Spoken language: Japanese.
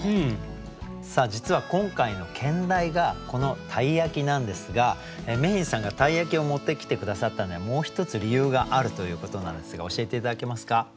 さあ実は今回の兼題がこの「鯛焼」なんですがＭａｙ’ｎさんが鯛焼を持ってきて下さったのにはもう一つ理由があるということなんですが教えて頂けますか？